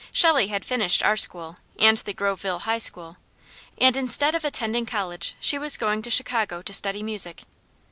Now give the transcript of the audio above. Shelley had finished our school, and the Groveville high school, and instead of attending college she was going to Chicago to study music.